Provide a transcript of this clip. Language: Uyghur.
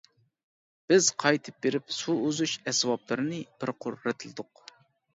بىز قايتىپ بېرىپ سۇ ئۈزۈش ئەسۋابلىرىنى بىر قۇر رەتلىدۇق.